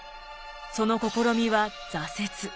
その試みは挫折。